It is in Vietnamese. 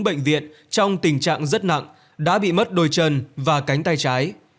bệnh viện trong tình trạng rất nặng đã bị mất đôi chân và cánh tay trái